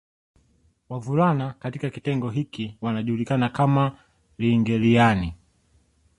Wavulana katika kitengo hiki wanajulikana kama Ilngeeliani